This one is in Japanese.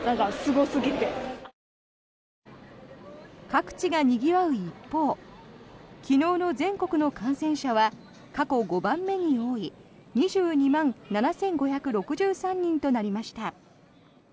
各地がにぎわう一方昨日の全国の感染者は過去５番目に多い２２万７５６３人となりました。